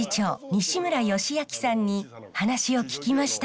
西村善明さんに話を聞きました。